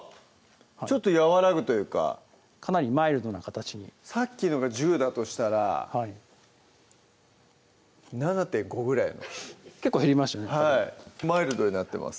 ちょっと和らぐというかかなりマイルドな形にさっきのが１０だとしたらはい７．５ぐらいの結構減りましたねマイルドになってます